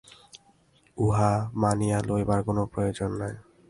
ইহা মানিয়া লইবার কোন প্রয়োজন নাই।